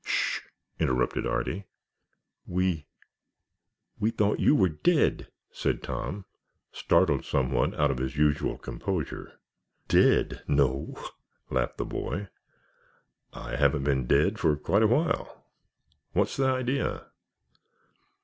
"Shhh," interrupted Artie. "We—we thought you were dead," said Tom, startled somewhat out of his usual composure. "Dead? No," laughed the boy. "I haven't been dead for quite a while. What's the idea?"